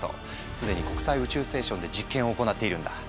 既に国際宇宙ステーションで実験を行っているんだ。